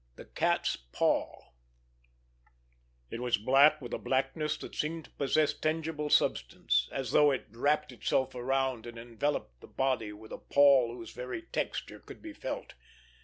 XX—THE CAT'S PAW It was black with a blackness that seemed to possess tangible substance, as though it wrapped itself around and enveloped the body with a pall whose very texture could be felt.